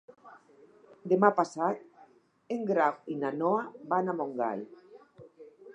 Demà passat en Grau i na Noa van a Montgai.